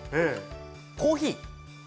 コーヒー？